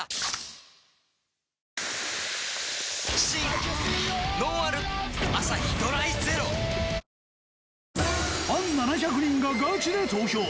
ファン７００人がガチで投票！